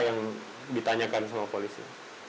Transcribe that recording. kurang tau sih sama polisi